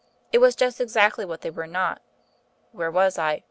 It was just exactly what they were not.... Where was I?